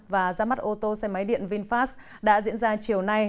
và ra mắt ô tô xe máy điện vinfast đã diễn ra chiều nay